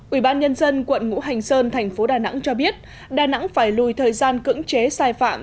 ủy ban nhân dân quận ngũ hành sơn thành phố đà nẵng cho biết đà nẵng phải lùi thời gian cưỡng chế sai phạm